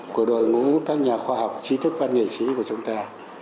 của đội ngũ các nhà khoa học trí thức văn nghệ sĩ của chúng ta